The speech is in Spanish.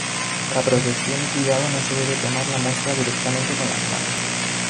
Para protección y cuidado no se debe tomar la muestra directamente con las manos.